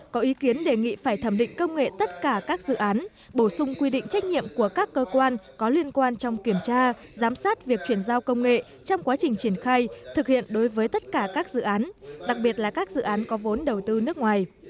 có ý kiến đề nghị phải thẩm định công nghệ tất cả các dự án bổ sung quy định trách nhiệm của các cơ quan có liên quan trong kiểm tra giám sát việc chuyển giao công nghệ trong quá trình triển khai thực hiện đối với tất cả các dự án đặc biệt là các dự án có vốn đầu tư nước ngoài